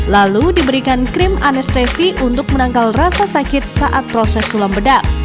lalu diberikan krim anestesi untuk menangkal rasa sakit saat proses sulam bedak